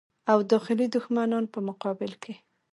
او داخلي دښمنانو په مقابل کې.